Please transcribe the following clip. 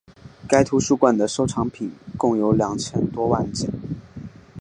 该图书馆的收藏品共有两千多万件。